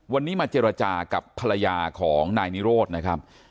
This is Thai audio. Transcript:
วันนี้มาเจรจากับภรรยาของนายนิโรธนะครับ